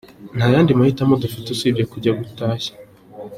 Nta yandi mahitamo dufite usibye kujya gutashya.”